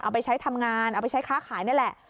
เอาไปใช้ทำงานเอาไปใช้ค้าขายนี่แหละ